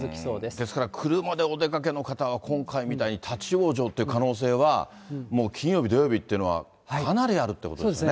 ですから車でお出かけの方は、今回みたいに立往生という可能性はもう金曜日、土曜日っていうのは、かなりあるということですね。